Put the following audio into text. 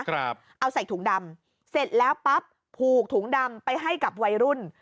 เอาใส่ถุงดำเสร็จแล้วปั๊บผูกถุงดำไปให้กับวัยรุ่น